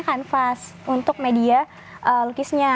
kanvas untuk media lukisnya